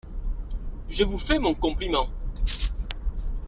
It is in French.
Je vous fais mon compliment.